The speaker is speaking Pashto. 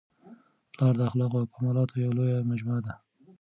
پلار د اخلاقو او کمالاتو یوه لویه مجموعه ده.